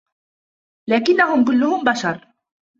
لكنهم كلهم بشر.